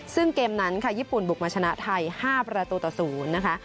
ซึ่งเกมนั้นค่ะญี่ปุ่นบุกมาชนะไทย๕ประตูต่อ๐นะคะ